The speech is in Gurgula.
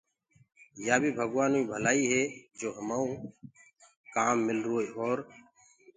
يآ بيٚ ڀگوآنو ڪيٚ ڀلآئيٚ هي جو همآئونٚ ڪآم ملروئي اور